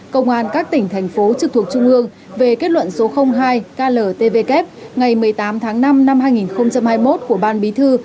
công an các tỉnh thành phố trực thuộc trung ương về kết luận số hai kltvk ngày một mươi tám tháng năm năm hai nghìn hai mươi một của ban bí thư